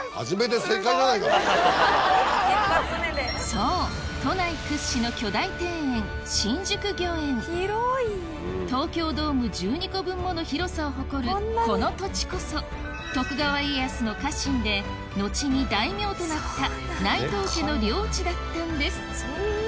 そう都内屈指の巨大庭園新宿御苑東京ドーム１２個分もの広さを誇るこの土地こそ徳川家康の家臣で後に大名となった内藤家の領地だったんです